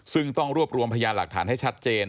ซึ่งต้องรวบรวมพยานหลักฐานให้ชัดเจน